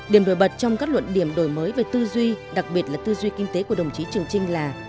điểm nổi bật trong các luận điểm đổi mới về tư duy đặc biệt là tư duy kinh tế của đồng chí trường trinh là